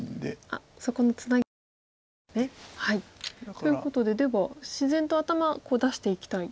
あっそこのツナギが。ごめんなさい。ということででは自然と頭を出していきたい。